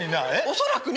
恐らくね。